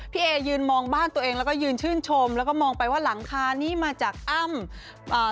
เอยืนมองบ้านตัวเองแล้วก็ยืนชื่นชมแล้วก็มองไปว่าหลังคานี้มาจากอ้ำอ่า